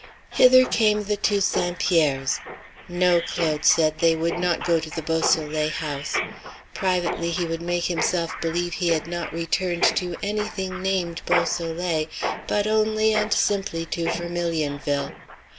Hither came the two St. Pierres. "No," Claude said; "they would not go to the Beausoleil house." Privately he would make himself believe he had not returned to any thing named Beausoleil, but only and simply to Vermilionville.